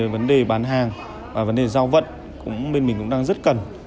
vấn đề bán hàng và vấn đề giao vận bên mình cũng đang rất cần